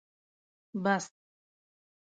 بس